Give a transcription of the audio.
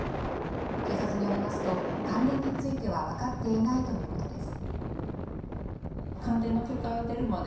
警察によりますと、関連については分かっていないということです。